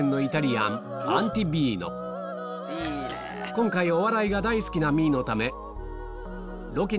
今回お笑いが大好きな未唯 ｍｉｅ のため